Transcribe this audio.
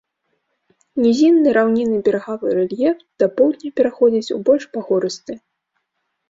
Нізінны раўнінны берагавы рэльеф да поўдня пераходзіць у больш пагорысты.